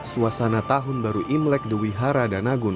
suasana tahun baru imlek dewihara danagun